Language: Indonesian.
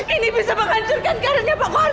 ini bisa menghancurkan karirnya pak kauh sendiri